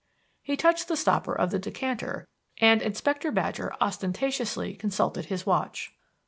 He touched the stopper of the decanter, and Inspector Badger ostentatiously consulted his watch.